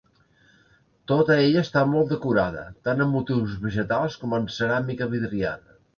Tota ella està molt decorada, tant amb motius vegetals com amb ceràmica vidriada.